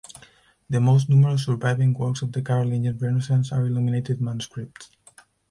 The most numerous surviving works of the Carolingian renaissance are illuminated manuscripts.